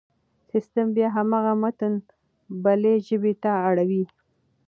سيستم بيا هماغه متن بلې ژبې ته اړوي.